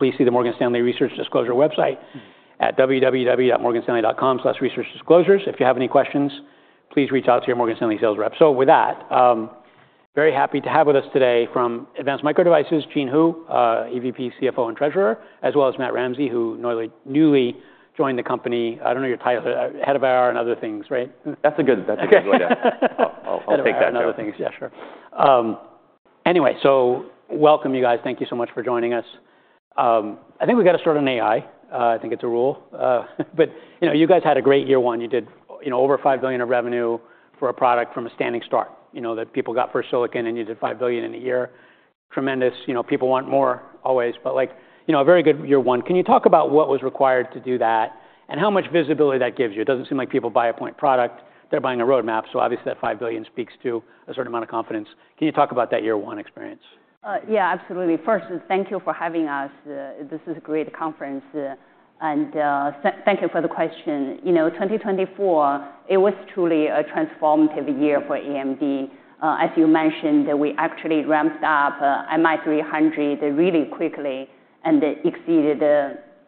Please see the Morgan Stanley Research Disclosure website at www.morganstanley.com/researchdisclosures. If you have any questions, please reach out to your Morgan Stanley sales rep. So with that, very happy to have with us today from Advanced Micro Devices, Jean Hu, EVP, CFO, and Treasurer, as well as Matt Ramsay, who newly joined the company. I don't know your title, head of IR and other things, right? That's a good, that's a good, yeah. Okay. I'll take that. Another thing is, yeah, sure. Anyway, so welcome, you guys. Thank you so much for joining us. I think we gotta start on AI. I think it's a rule. But, you know, you guys had a great year one. You did, you know, over $5 billion of revenue for a product from a standing start, you know, that people got for silicon, and you did $5 billion in a year. Tremendous, you know, people want more always, but like, you know, a very good year one. Can you talk about what was required to do that and how much visibility that gives you? It doesn't seem like people buy a point product. They're buying a roadmap, so obviously that $5 billion speaks to a certain amount of confidence. Can you talk about that year one experience? Yeah, absolutely. First, thank you for having us. This is a great conference, and thank you for the question. You know, 2024, it was truly a transformative year for AMD. As you mentioned, we actually ramped up MI300 really quickly and exceeded,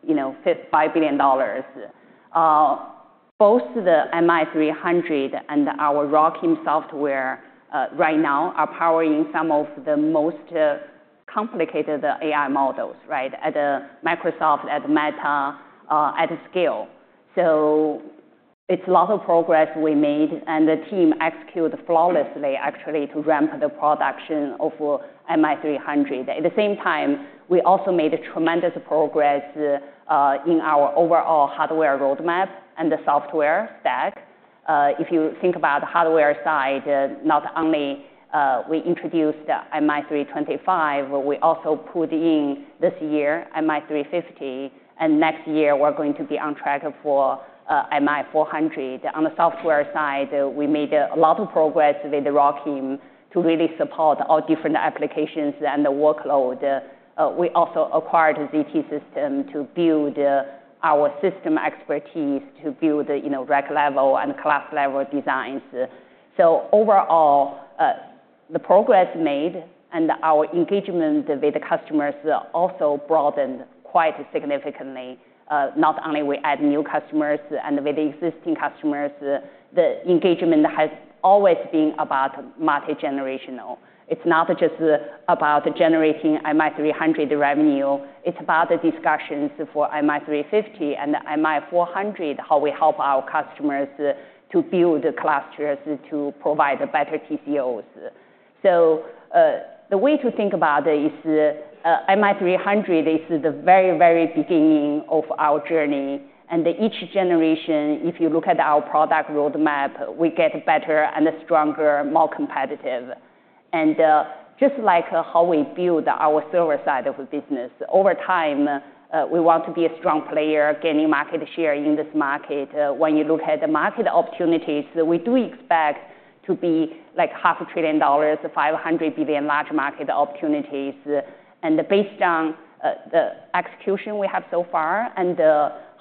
you know, $5 billion. Both the MI300 and our ROCm software, right now are powering some of the most complicated AI models, right, at Microsoft, at Meta, at scale. So it's a lot of progress we made, and the team executed flawlessly, actually, to ramp the production of MI300. At the same time, we also made tremendous progress in our overall hardware roadmap and the software stack. If you think about the hardware side, not only we introduced MI325, we also pulled in this year MI350, and next year we're going to be on track for MI400. On the software side, we made a lot of progress with ROCm to really support all different applications and the workload. We also acquired ZT Systems to build our system expertise to build, you know, rack level and cluster level designs, so overall, the progress made and our engagement with the customers also broadened quite significantly, not only we add new customers and with existing customers, the engagement has always been about multi-generational. It's not just about generating MI300 revenue. It's about the discussions for MI350 and MI400, how we help our customers to build clusters to provide better TCOs, so the way to think about it is, MI300 is the very, very beginning of our journey, and each generation, if you look at our product roadmap, we get better and stronger, more competitive. Just like how we build our server side of the business, over time, we want to be a strong player, gaining market share in this market. When you look at the market opportunities, we do expect to be like $500 billion, 500 billion large market opportunities. Based on the execution we have so far and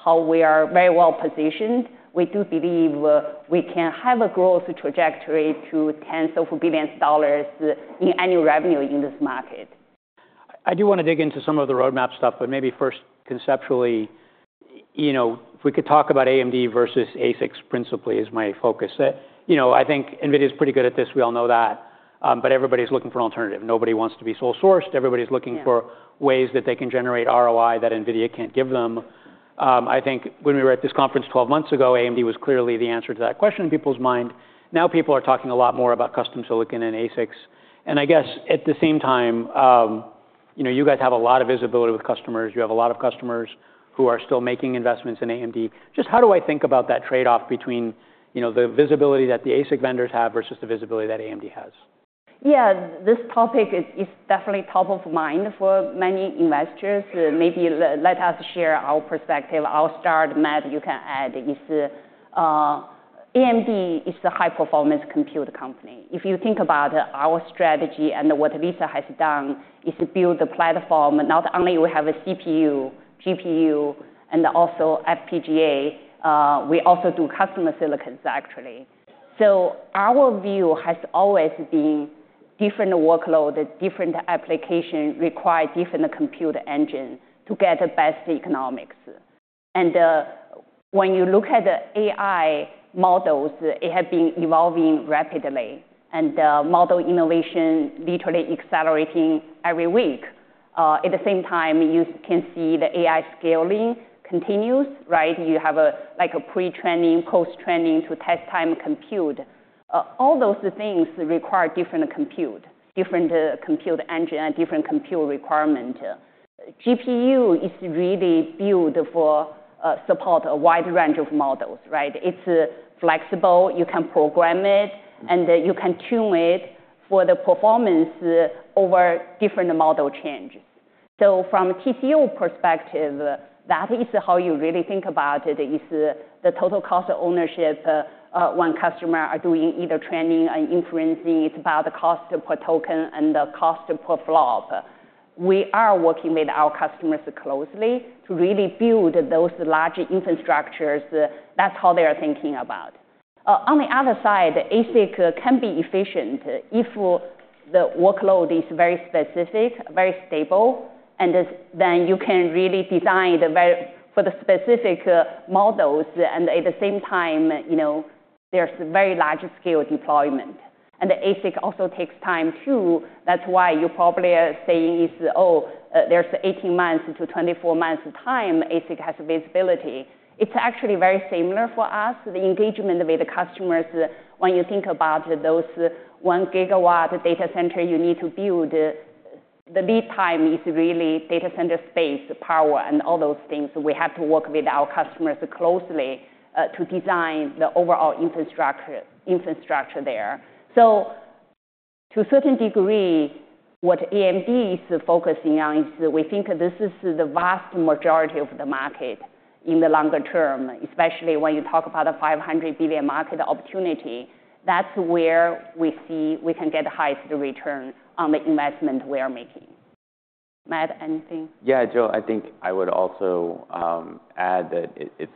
how we are very well positioned, we do believe we can have a growth trajectory to tens of billions of dollars in annual revenue in this market. I do wanna dig into some of the roadmap stuff, but maybe first conceptually, you know, if we could talk about AMD versus ASICs principally is my focus. You know, I think NVIDIA's pretty good at this. We all know that. But everybody's looking for an alternative. Nobody wants to be sole-sourced. Everybody's looking for. Ways that they can generate ROI that NVIDIA can't give them. I think when we were at this conference 12 months ago, AMD was clearly the answer to that question in people's mind. Now people are talking a lot more about custom silicon and ASICs, and I guess at the same time, you know, you guys have a lot of visibility with customers. You have a lot of customers who are still making investments in AMD. Just how do I think about that trade-off between, you know, the visibility that the ASIC vendors have versus the visibility that AMD has? Yeah, this topic is definitely top of mind for many investors. Maybe let us share our perspective. I'll start, Matt, you can add. AMD is a high-performance compute company. If you think about our strategy and what we've done, is build a platform, not only we have a CPU, GPU, and also FPGA, we also do custom silicons, actually. So our view has always been different workload, different application require different compute engine to get the best economics. When you look at the AI models, it has been evolving rapidly, and model innovation literally accelerating every week. At the same time, you can see the AI scaling continues, right? You have a, like a pre-training, post-training to test time compute. All those things require different compute, different compute engine, different compute requirement. GPU is really built for support a wide range of models, right? It's flexible. You can program it, and you can tune it for the performance over different model changes. So from TCO perspective, that is how you really think about it, is the total cost of ownership, when customers are doing either training and inferencing. It's about the cost per token and the cost per flop. We are working with our customers closely to really build those large infrastructures. That's how they are thinking about it. On the other side, ASIC can be efficient if the workload is very specific, very stable, and then you can really design it for the specific models. And at the same time, you know, there's very large-scale deployment. And the ASIC also takes time too. That's why you probably are saying is, oh, there's 18-24 months time. ASIC has visibility. It's actually very similar for us, the engagement with the customers. When you think about those one-gigawatt data center you need to build, the lead time is really data center space, power, and all those things. We have to work with our customers closely, to design the overall infrastructure there. So to a certain degree, what AMD is focusing on is we think this is the vast majority of the market in the longer term, especially when you talk about a $500 billion market opportunity. That's where we see we can get the highest return on the investment we are making. Matt, anything? Yeah, Joe, I think I would also add that it's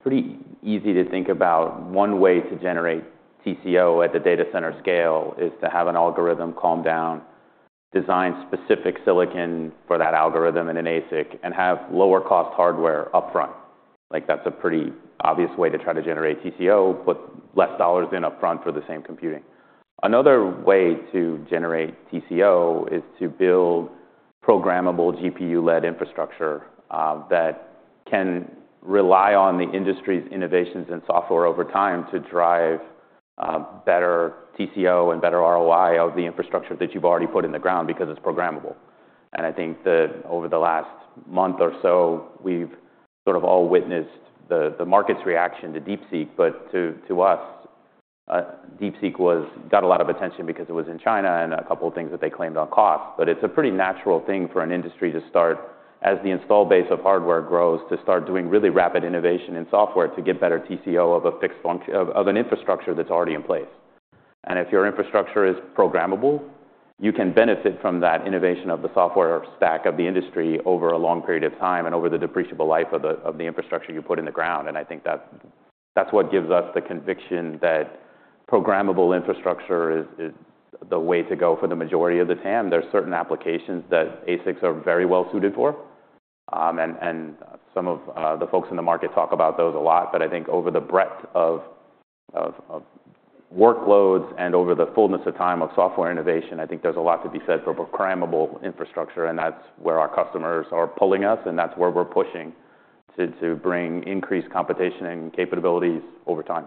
pretty easy to think about one way to generate TCO at the data center scale is to have an algorithm and then design specific silicon for that algorithm in an ASIC, and have lower-cost hardware upfront. Like, that's a pretty obvious way to try to generate TCO, but less dollars upfront for the same computing. Another way to generate TCO is to build programmable GPU-led infrastructure that can rely on the industry's innovations and software over time to drive better TCO and better ROI of the infrastructure that you've already put in the ground because it's programmable. And I think, over the last month or so, we've sort of all witnessed the market's reaction to DeepSeek. But to us, DeepSeek was got a lot of attention because it was in China and a couple of things that they claimed on cost. But it's a pretty natural thing for an industry to start, as the install base of hardware grows, to start doing really rapid innovation in software to get better TCO of a fixed function of an infrastructure that's already in place. And if your infrastructure is programmable, you can benefit from that innovation of the software stack of the industry over a long period of time and over the depreciable life of the infrastructure you put in the ground. And I think that that's what gives us the conviction that programmable infrastructure is the way to go for the majority of the TAM. There's certain applications that ASICs are very well suited for. And some of the folks in the market talk about those a lot. But I think over the breadth of workloads and over the fullness of time of software innovation, I think there's a lot to be said for programmable infrastructure. And that's where our customers are pulling us, and that's where we're pushing to bring increased competition and capabilities over time.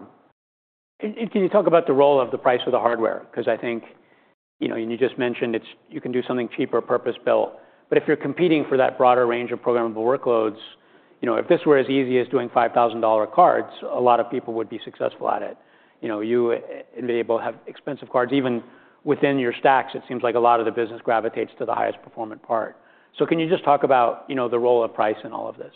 Can you talk about the role of the price for the hardware? 'Cause I think, you know, and you just mentioned it's you can do something cheaper, purpose-built. But if you're competing for that broader range of programmable workloads, you know, if this were as easy as doing $5,000 cards, a lot of people would be successful at it. You know, you at NVIDIA both have expensive cards. Even within your stacks, it seems like a lot of the business gravitates to the highest performant part. So can you just talk about, you know, the role of price in all of this?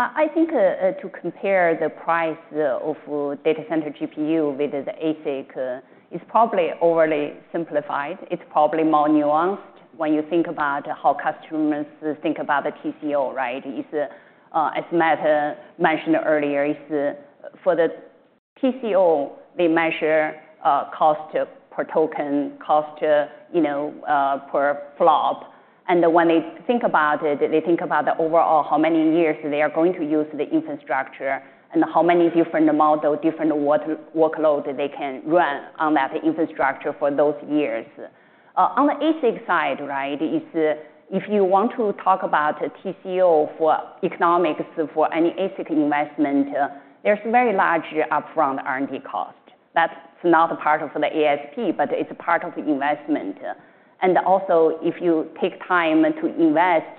I think, to compare the price of data center GPU with the ASIC is probably overly simplified. It's probably more nuanced when you think about how customers think about the TCO, right? It's, as Matt mentioned earlier, it's for the TCO, they measure cost per token, you know, cost per flop. And when they think about it, they think about the overall how many years they are going to use the infrastructure and how many different model, different workload they can run on that infrastructure for those years. On the ASIC side, right, it's, if you want to talk about TCO for economics for any ASIC investment, there's very large upfront R&D cost. That's not part of the ASP, but it's part of the investment. And also, if you take time to invest,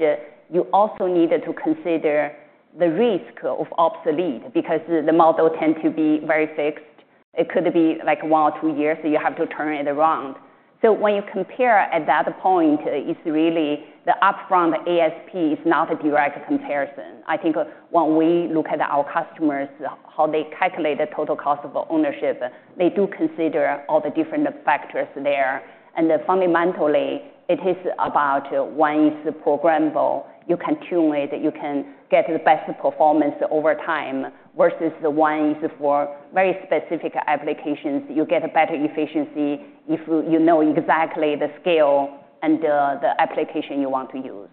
you also need to consider the risk of obsolescence because the model tends to be very fixed. It could be like one or two years. You have to turn it around. So when you compare at that point, it's really the upfront ASP is not a direct comparison. I think when we look at our customers, how they calculate the total cost of ownership, they do consider all the different factors there. And fundamentally, it is about when it's programmable, you can tune it, you can get the best performance over time versus when it's for very specific applications, you get better efficiency if you know exactly the scale and the application you want to use.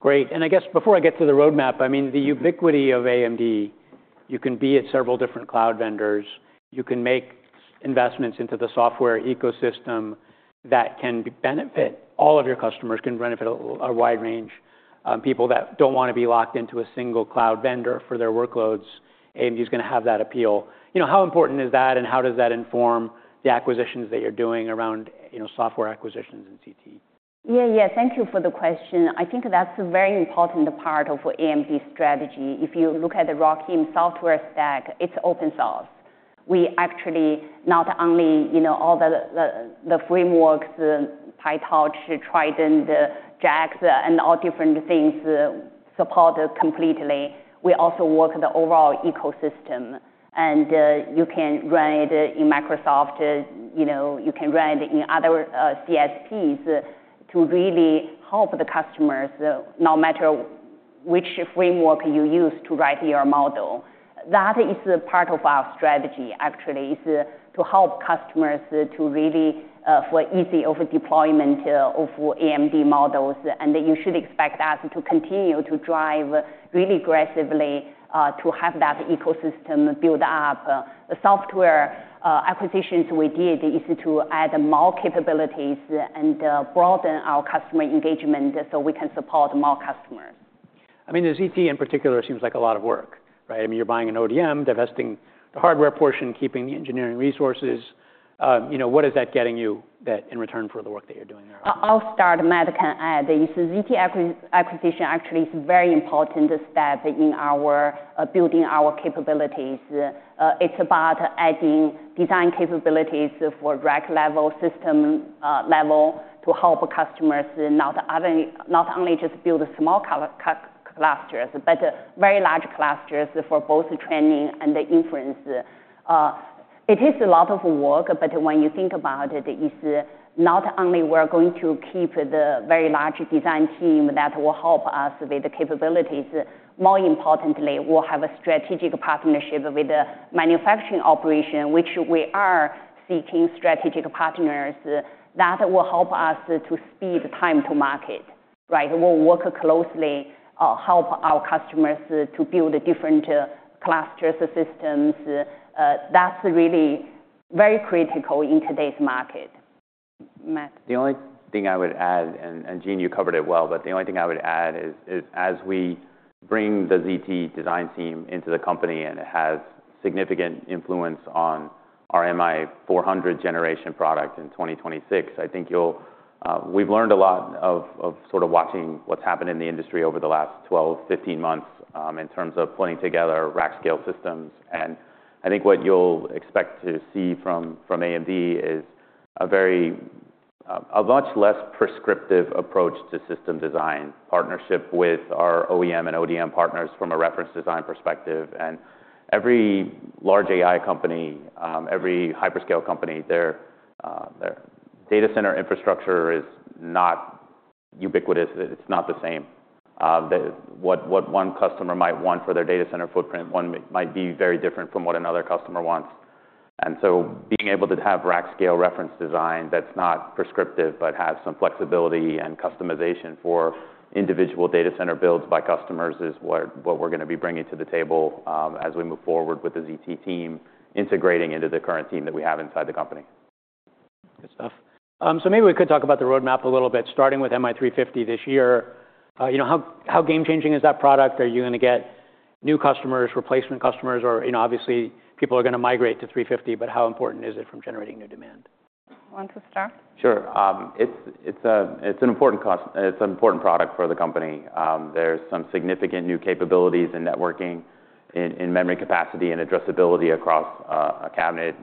Great. And I guess before I get to the roadmap, I mean, the ubiquity of AMD, you can be at several different cloud vendors. You can make investments into the software ecosystem that can benefit all of your customers, can benefit a wide range, people that don't wanna be locked into a single cloud vendor for their workloads. AMD's gonna have that appeal. You know, how important is that, and how does that inform the acquisitions that you're doing around, you know, software acquisitions and ZT? Yeah, yeah. Thank you for the question. I think that's a very important part of AMD's strategy. If you look at the ROCm software stack, it's open source. We actually not only, you know, all the, the frameworks, PyTorch, Triton, JAX, and all different things support completely. We also work the overall ecosystem. And you can run it in Microsoft, you know, you can run it in other CSPs to really help the customers, no matter which framework you use to write your model. That is part of our strategy, actually, is to help customers to really, for easy over-deployment of AMD models. And you should expect us to continue to drive really aggressively, to have that ecosystem build up. The software acquisitions we did is to add more capabilities and broaden our customer engagement so we can support more customers. I mean, the ZT in particular seems like a lot of work, right? I mean, you're buying an ODM, divesting the hardware portion, keeping the engineering resources. You know, what is that getting you that in return for the work that you're doing there? I'll start, Matt can add. Is ZT acquisition actually a very important step in our building our capabilities. It's about adding design capabilities for rack level system level to help customers not only just build small clusters, but very large clusters for both training and inference. It is a lot of work, but when you think about it, it's not only we're going to keep the very large design team that will help us with the capabilities. More importantly, we'll have a strategic partnership with the manufacturing operation, which we are seeking strategic partners that will help us to speed time to market, right? We'll work closely, help our customers to build different clusters, systems. That's really very critical in today's market. Matt? The only thing I would add, and Jean, you covered it well, but the only thing I would add is as we bring the ZT design team into the company and it has significant influence on our MI400 generation product in 2026. I think you'll, we've learned a lot of sort of watching what's happened in the industry over the last 12-15 months, in terms of pulling together rack-scale systems. And I think what you'll expect to see from AMD is a much less prescriptive approach to system design partnership with our OEM and ODM partners from a reference design perspective. And every large AI company, every hyperscale company, their data center infrastructure is not ubiquitous. It's not the same. The what one customer might want for their data center footprint, one might be very different from what another customer wants. And so being able to have rack-scale reference design that's not prescriptive but has some flexibility and customization for individual data center builds by customers is what we're gonna be bringing to the table, as we move forward with the ZT team integrating into the current team that we have inside the company. Good stuff. So maybe we could talk about the roadmap a little bit, starting with MI350 this year. You know, how game-changing is that product? Are you gonna get new customers, replacement customers, or, you know, obviously, people are gonna migrate to 350, but how important is it from generating new demand? Want to start? Sure. It's an important cost. It's an important product for the company. There's some significant new capabilities in networking, in memory capacity and addressability across a cabinet,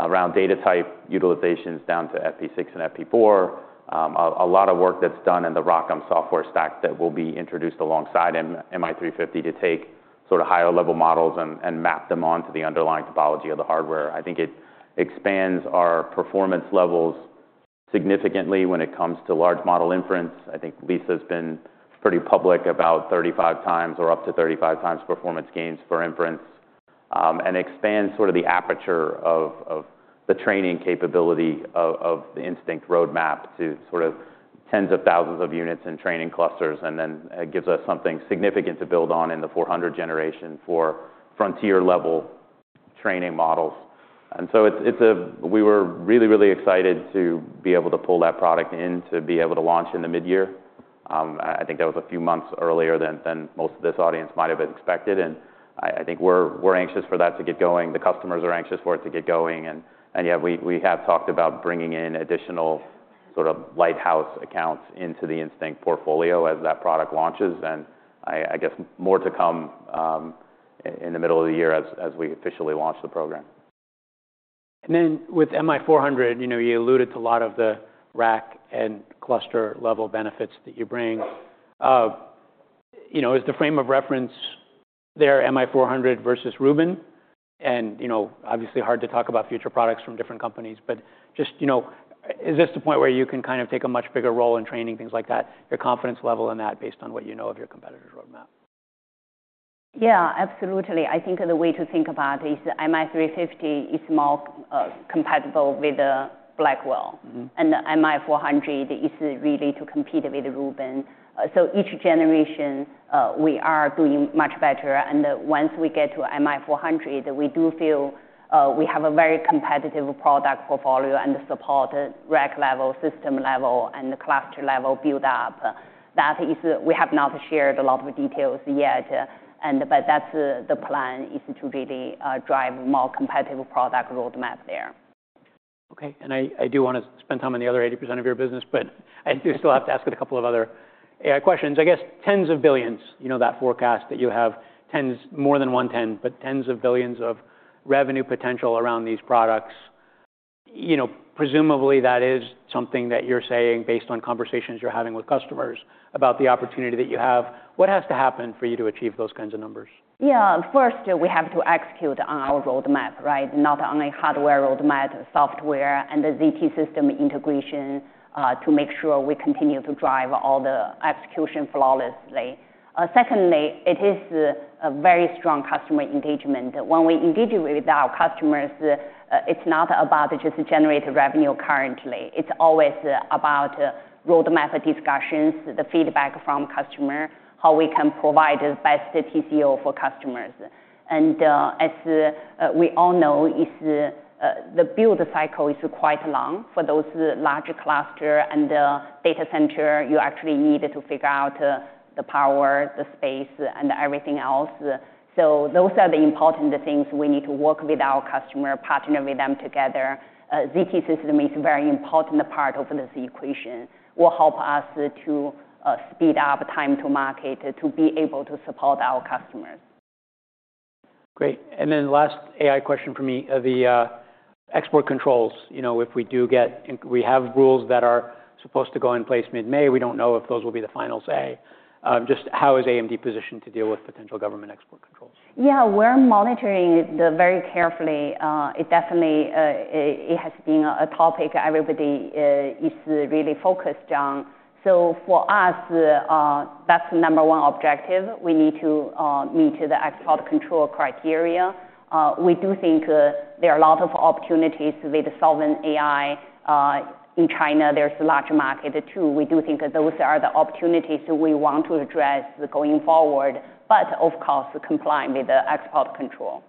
around data type utilizations down to FP6 and FP4. A lot of work that's done in the ROCm software stack that will be introduced alongside MI350 to take sort of higher-level models and map them onto the underlying topology of the hardware. I think it expands our performance levels significantly when it comes to large model inference. I think Lisa's been pretty public about 35 times or up to 35 times performance gains for inference, and expands sort of the aperture of the training capability of the Instinct roadmap to sort of tens of thousands of units and training clusters. And then it gives us something significant to build on in the 400 generation for frontier-level training models. So it's a. We were really, really excited to be able to pull that product in to be able to launch in the mid-year. I think that was a few months earlier than most of this audience might have expected. I think we're anxious for that to get going. The customers are anxious for it to get going. Yeah, we have talked about bringing in additional sort of lighthouse accounts into the Instinct portfolio as that product launches. I guess more to come in the middle of the year as we officially launch the program. And then with MI400, you know, you alluded to a lot of the rack and cluster-level benefits that you bring. You know, is the frame of reference there, MI400 versus Rubin? And, you know, obviously hard to talk about future products from different companies, but just, you know, is this the point where you can kind of take a much bigger role in training, things like that, your confidence level in that based on what you know of your competitor's roadmap? Yeah, absolutely. I think the way to think about it is MI350 is more compatible with Blackwell. MI400 is really to compete with Rubin, so each generation, we are doing much better. Once we get to MI400, we do feel we have a very competitive product portfolio and support rack level, system level, and cluster level buildup. That is, we have not shared a lot of details yet. But that's the plan is to really drive more competitive product roadmap there. Okay. And I do wanna spend time on the other 80% of your business, but I think we still have to ask a couple of other AI questions. I guess tens of billions, you know, that forecast that you have tens more than $110, but tens of billions of revenue potential around these products. You know, presumably that is something that you're saying based on conversations you're having with customers about the opportunity that you have. What has to happen for you to achieve those kinds of numbers? Yeah. First, we have to execute our roadmap, right? Not only hardware roadmap, software, and the ZT Systems integration, to make sure we continue to drive all the execution flawlessly. Secondly, it is a very strong customer engagement. When we engage with our customers, it's not about just generate revenue currently. It's always about roadmap discussions, the feedback from customer, how we can provide the best TCO for customers. And, as, we all know, it's, the build cycle is quite long for those large cluster and, data center. You actually need to figure out the power, the space, and everything else. So those are the important things we need to work with our customer, partner with them together. ZT Systems is a very important part of this equation. Will help us to, speed up time to market to be able to support our customers. Great. And then last AI question for me, the export controls. You know, if we do get in, we have rules that are supposed to go in place mid-May. We don't know if those will be the final say. Just how is AMD positioned to deal with potential government export controls? Yeah, we're monitoring it very carefully. It definitely has been a topic everybody is really focused on. So for us, that's the number one objective. We need to meet the export control criteria. We do think there are a lot of opportunities with sovereign AI in China. There's a large market too. We do think those are the opportunities we want to address going forward, but of course, complying with the export control.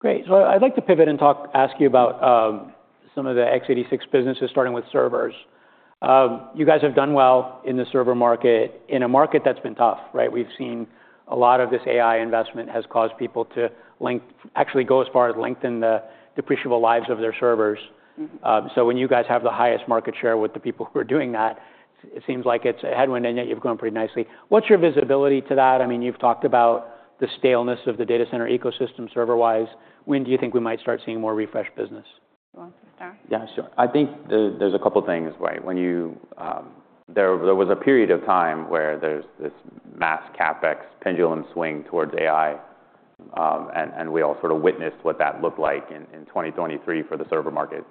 Great. So I'd like to pivot and talk, ask you about, some of the x86 businesses starting with servers. You guys have done well in the server market in a market that's been tough, right? We've seen a lot of this AI investment has caused people to actually go as far as lengthen the depreciable lives of their servers. So when you guys have the highest market share with the people who are doing that, it seems like it's a headwind and yet you've grown pretty nicely. What's your visibility to that? I mean, you've talked about the staleness of the data center ecosystem server-wise. When do you think we might start seeing more refresh business? Want to start? Yeah, sure. I think there's a couple things, right? When there was a period of time where there's this mass CapEx pendulum swing towards AI. And we all sort of witnessed what that looked like in 2023 for the server market.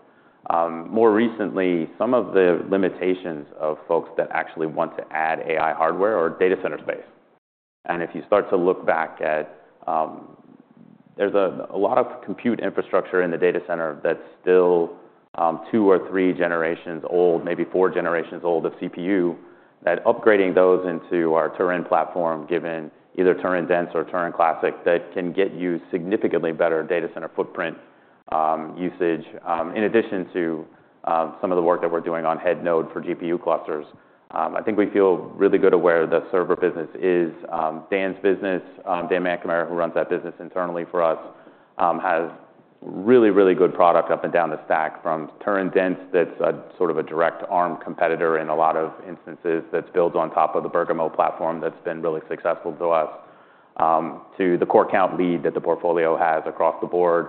More recently, some of the limitations of folks that actually want to add AI hardware are data center space. And if you start to look back at, there's a lot of compute infrastructure in the data center that's still two or three generations old, maybe four generations old of CPU, that upgrading those into our Turin platform, given either Turin Dense or Turin Classic, that can get you significantly better data center footprint, usage. In addition to some of the work that we're doing on head node for GPU clusters, I think we feel really good aware that server business is Dan's business. Dan McNamara, who runs that business internally for us, has really, really good product up and down the stack from Turin Dense that's a sort of a direct Arm competitor in a lot of instances that's built on top of the Bergamo platform that's been really successful to us, to the core count lead that the portfolio has across the board.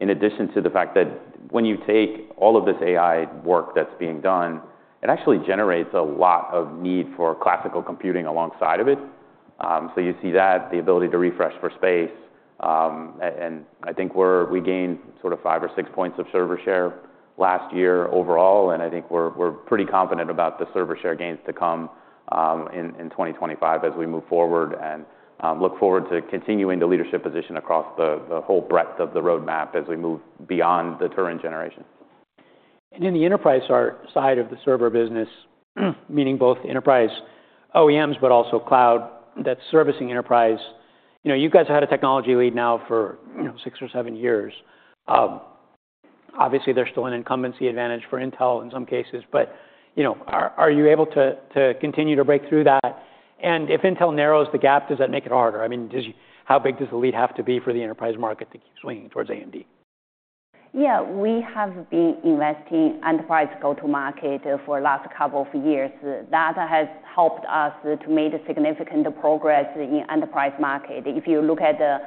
In addition to the fact that when you take all of this AI work that's being done, it actually generates a lot of need for classical computing alongside of it, so you see that the ability to refresh for space, and I think we gained sort of five or six points of server share last year overall. I think we're pretty confident about the server share gains to come in 2025 as we move forward and look forward to continuing the leadership position across the whole breadth of the roadmap as we move beyond the Turin generation. In the enterprise side of the server business, meaning both enterprise OEMs, but also cloud that's servicing enterprise, you know, you guys have had a technology lead now for, you know, six or seven years. Obviously there's still an incumbency advantage for Intel in some cases, but, you know, are you able to continue to break through that? And if Intel narrows the gap, does that make it harder? I mean, do you, how big does the lead have to be for the enterprise market to keep swinging towards AMD? Yeah, we have been investing in enterprise go-to-market for the last couple of years. That has helped us to make significant progress in the enterprise market. If you look at the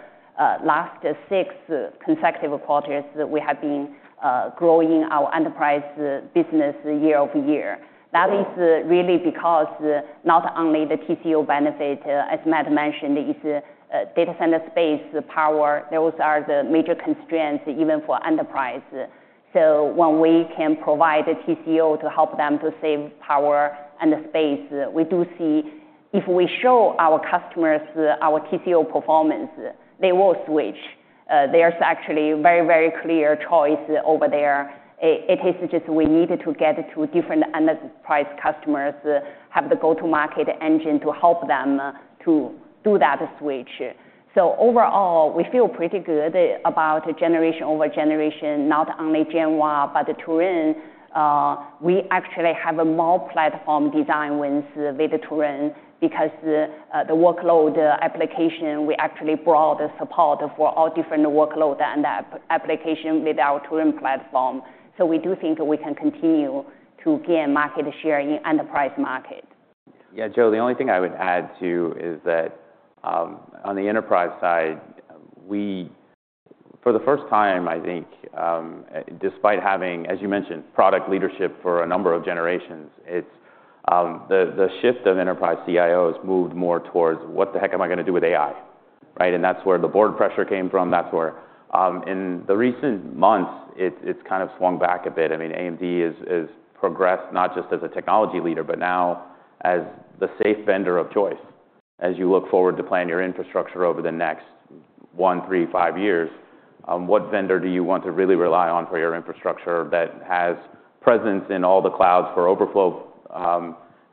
last six consecutive quarters, we have been growing our enterprise business year over year. That is really because not only the TCO benefit, as Matt mentioned, is data center space power. Those are the major constraints even for enterprise. So when we can provide TCO to help them to save power and space, we do see if we show our customers our TCO performance, they will switch. There's actually a very, very clear choice over there. It is just we need to get to different enterprise customers, have the go-to-market engine to help them to do that switch. So overall, we feel pretty good about generation over generation, not only Genoa, but Turin. We actually have a more platform design with Turin because the workload application we actually brought support for all different workload and application with our Turin platform, so we do think we can continue to gain market share in enterprise market. Yeah, Joe, the only thing I would add too is that, on the enterprise side, we, for the first time, I think, despite having, as you mentioned, product leadership for a number of generations, it's, the, the shift of enterprise CIOs moved more towards what the heck am I gonna do with AI, right? And that's where the board pressure came from. That's where, in the recent months, it's, it's kind of swung back a bit. I mean, AMD has, has progressed not just as a technology leader, but now as the safe vendor of choice. As you look forward to plan your infrastructure over the next one, three, five years, what vendor do you want to really rely on for your infrastructure that has presence in all the clouds for overflow,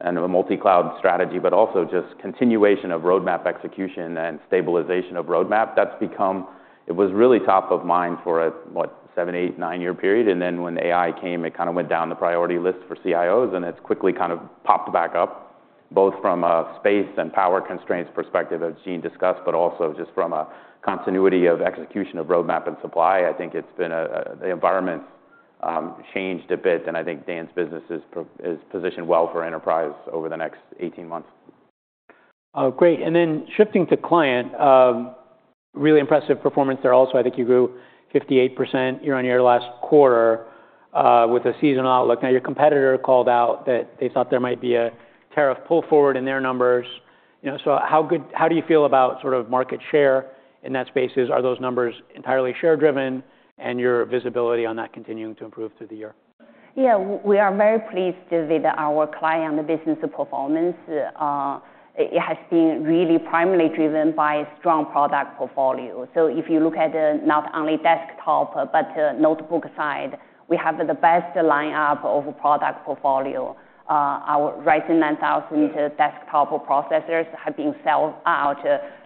and a multi-cloud strategy, but also just continuation of roadmap execution and stabilization of roadmap? That's become. It was really top of mind for a, what, seven, eight, nine-year period. And then when AI came, it kind of went down the priority list for CIOs, and it's quickly kind of popped back up both from a space and power constraints perspective that's being discussed, but also just from a continuity of execution of roadmap and supply. I think it's been a, the environment's changed a bit. And I think Dan's business is positioned well for enterprise over the next 18 months. Great. And then shifting to client, really impressive performance there also. I think you grew 58% year on year last quarter, with a seasonal outlook. Now your competitor called out that they thought there might be a tariff pull forward in their numbers. You know, so how good, how do you feel about sort of market share in that space? Are those numbers entirely share-driven and your visibility on that continuing to improve through the year? Yeah, we are very pleased with our client business performance. It has been really primarily driven by strong product portfolio. So if you look at not only desktop, but notebook side, we have the best lineup of product portfolio. Our Ryzen 9000 desktop processors have been sold out,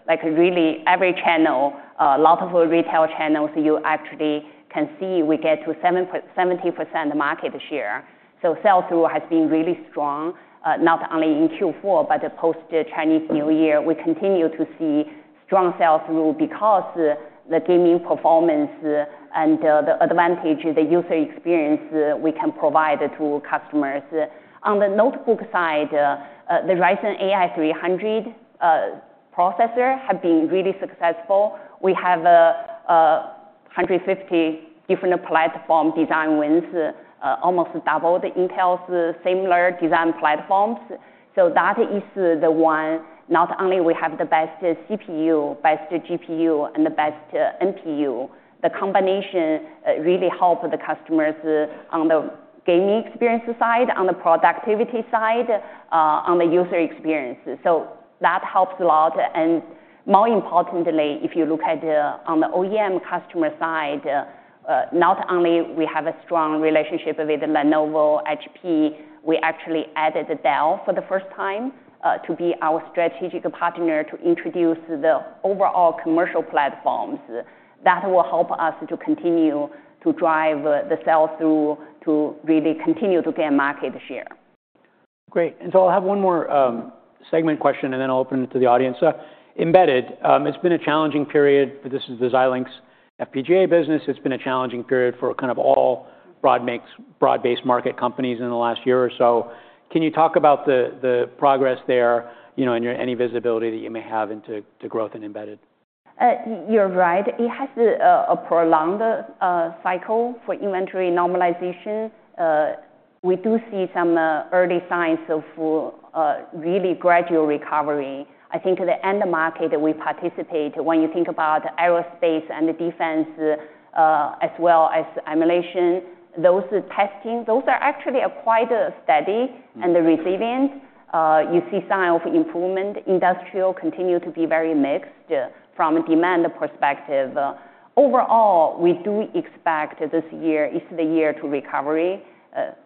like really every channel, a lot of retail channels you actually can see we get to 70% market share. So sell-through has been really strong, not only in Q4, but post-Chinese New Year. We continue to see strong sell-through because the gaming performance and the advantage, the user experience we can provide to customers. On the notebook side, the Ryzen AI 300 processor have been really successful. We have 150 different platform design wins, almost doubled Intel's similar design platforms. So that is the one, not only we have the best CPU, best GPU, and the best NPU. The combination really helped the customers on the gaming experience side, on the productivity side, on the user experience. So that helps a lot, and more importantly, if you look at, on the OEM customer side, not only we have a strong relationship with Lenovo, HP, we actually added Dell for the first time, to be our strategic partner to introduce the overall commercial platforms. That will help us to continue to drive the sell-through to really continue to gain market share. Great. And so I'll have one more segment question and then I'll open it to the audience. Embedded, it's been a challenging period for this, the Xilinx FPGA business. It's been a challenging period for kind of all broad-based market companies in the last year or so. Can you talk about the progress there, you know, and your any visibility that you may have into to growth and embedded? You're right. It has a prolonged cycle for inventory normalization. We do see some early signs of really gradual recovery. I think the end market that we participate in, when you think about aerospace and defense, as well as emulation, those testing, those are actually quite steady and resilient. You see signs of improvement. Industrial continues to be very mixed from a demand perspective. Overall, we do expect this year is the year to recovery,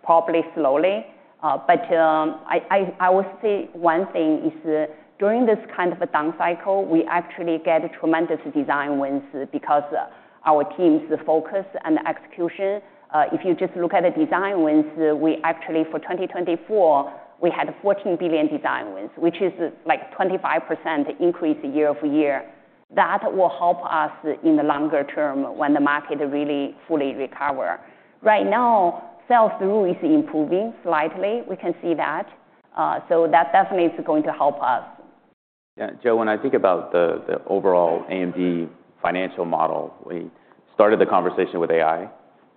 probably slowly. But I will say one thing is during this kind of a down cycle, we actually get tremendous design wins because our team's focus and execution. If you just look at the design wins, we actually for 2024, we had $14 billion design wins, which is like 25% increase year over year. That will help us in the longer term when the market really fully recovers. Right now, sell-through is improving slightly. We can see that, so that definitely is going to help us. Yeah, Joe, when I think about the overall AMD financial model, we started the conversation with AI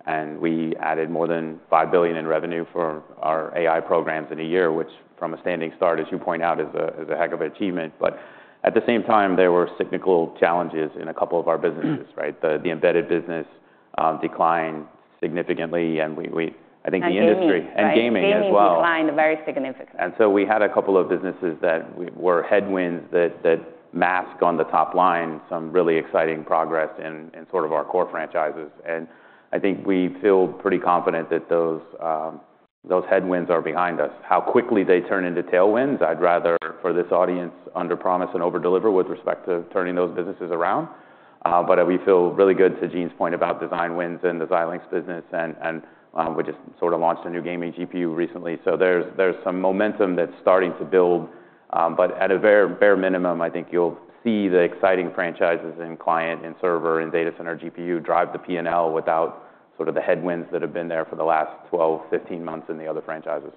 and we added more than $5 billion in revenue for our AI programs in a year, which from a standing start, as you point out, is a heck of an achievement. But at the same time, there were cyclical challenges in a couple of our businesses, right? The embedded business declined significantly and we, I think the industry and gaming as well. Gaming declined very significantly. And so we had a couple of businesses that were headwinds that masked the top line, some really exciting progress in sort of our core franchises, and I think we feel pretty confident that those headwinds are behind us. How quickly they turn into tailwinds, I'd rather for this audience under promise and over deliver with respect to turning those businesses around, but we feel really good to Jean's point about design wins in the Xilinx business, and we just sort of launched a new gaming GPU recently. So there's some momentum that's starting to build, but at a very bare minimum, I think you'll see the exciting franchises in client and server and data center GPU drive the P&L without sort of the headwinds that have been there for the last 12-15 months in the other franchises.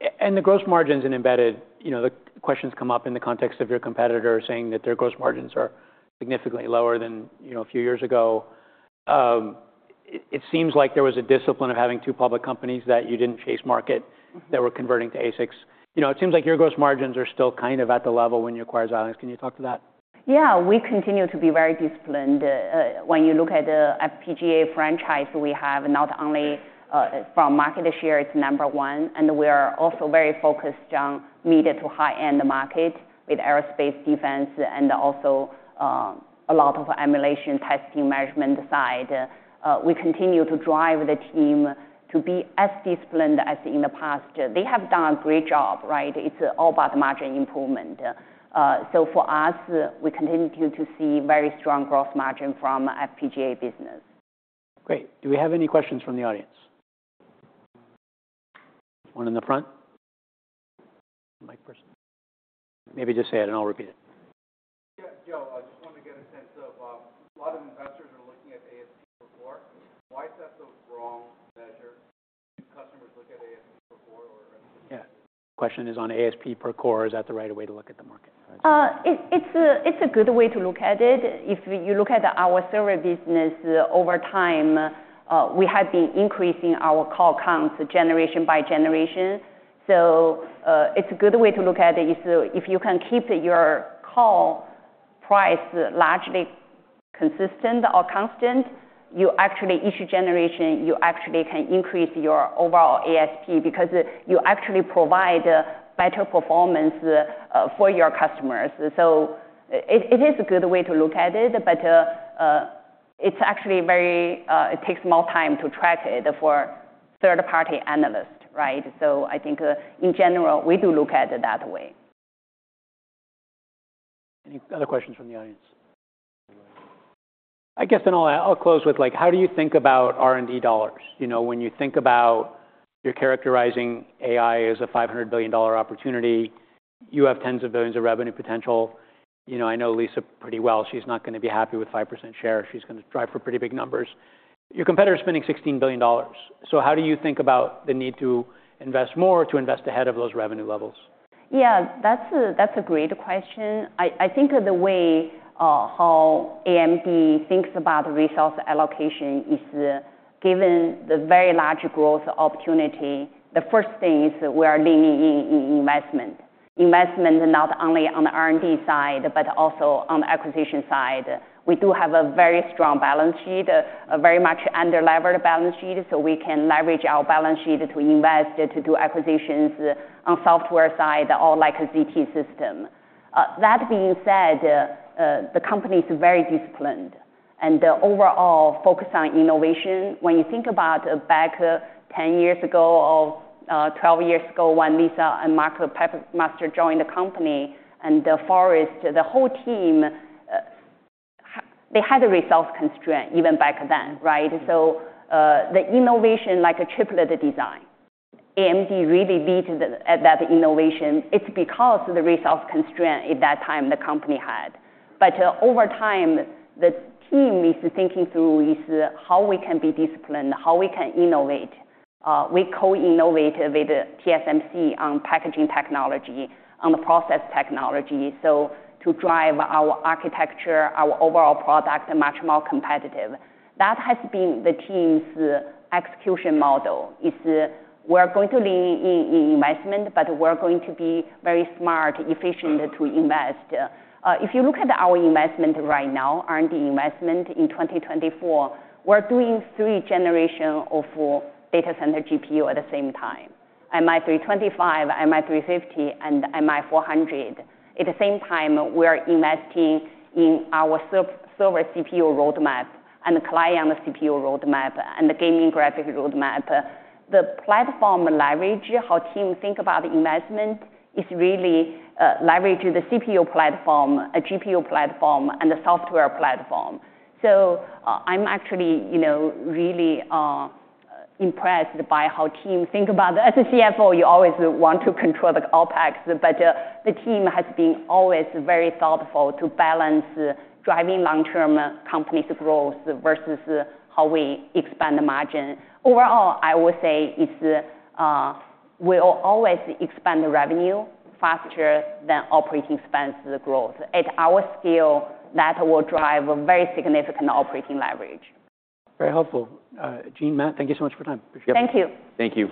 The gross margins in embedded, you know, the questions come up in the context of your competitor saying that their gross margins are significantly lower than, you know, a few years ago. It seems like there was a discipline of having two public companies that you didn't chase market that were converting to ASICs. You know, it seems like your gross margins are still kind of at the level when you acquire Xilinx. Can you talk to that? Yeah, we continue to be very disciplined. When you look at the FPGA franchise, we have not only from market share, it's number one, and we are also very focused on mid- to high-end market with aerospace, defense, and also a lot of emulation testing management side. We continue to drive the team to be as disciplined as in the past. They have done a great job, right? It's all about margin improvement, so for us, we continue to see very strong gross margin from FPGA business. Great. Do we have any questions from the audience? One in the front? Maybe just say it and I'll repeat it. Yeah, Joe, I just wanted to get a sense of, a lot of investors are looking at ASP per core. Why is that the wrong measure? Do customers look at ASP per core or? Yeah. The question is on ASP per core. Is that the right way to look at the market? It's a good way to look at it. If you look at our server business over time, we have been increasing our unit counts generation by generation. So, it's a good way to look at it. If you can keep your unit price largely consistent or constant, you actually, each generation, you actually can increase your overall ASP because you actually provide better performance for your customers. So it is a good way to look at it, but it's actually very, it takes more time to track it for third-party analysts, right? So I think in general, we do look at it that way. Any other questions from the audience? I guess then I'll close with like, how do you think about R&D dollars? You know, when you think about you're characterizing AI as a $500 billion opportunity, you have tens of billions of revenue potential. You know, I know Lisa pretty well. She's not gonna be happy with 5% share. She's gonna strive for pretty big numbers. Your competitor's spending $16 billion. So how do you think about the need to invest more or to invest ahead of those revenue levels? Yeah, that's a great question. I think the way how AMD thinks about resource allocation is given the very large growth opportunity, the first thing is we are leaning in in investment. Investment not only on the R&D side, but also on the acquisition side. We do have a very strong balance sheet, a very much under-levered balance sheet, so we can leverage our balance sheet to invest to do acquisitions on software side or like a ZT Systems. That being said, the company's very disciplined and overall focused on innovation. When you think about back 10 years ago or 12 years ago when Lisa and Mark Papermaster joined the company and Forrest, the whole team, they had resource constraint even back then, right? So, the innovation, like a chiplet design, AMD really lead at that innovation. It's because of the resource constraint at that time the company had. But over time, the team is thinking through is how we can be disciplined, how we can innovate. We co-innovate with TSMC on packaging technology, on the process technology, so to drive our architecture, our overall product much more competitive. That has been the team's execution model. It's we're going to lean in, in investment, but we're going to be very smart, efficient to invest. If you look at our investment right now, R&D investment in 2024, we're doing three generations of data center GPU at the same time, MI325, MI350, and MI400. At the same time, we are investing in our server CPU roadmap and client CPU roadmap and the gaming graphic roadmap. The platform leverage, how team think about investment is really, leverage the CPU platform, a GPU platform, and the software platform. I'm actually, you know, really impressed by how team think about the, as a CFO, you always want to control the OpEx, but the team has been always very thoughtful to balance driving long-term company's growth versus how we expand the margin. Overall, I will say it's. We'll always expand the revenue faster than operating expense growth. At our scale, that will drive a very significant operating leverage. Very helpful. Jean, Matt, thank you so much for your time. Thank you. Thank you.